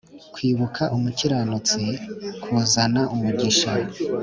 Kwibuka umukiranutsi kuzana umugisha